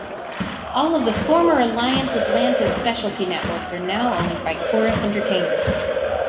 All of the former Alliance Atlantis specialty networks are now owned by Corus Entertainment.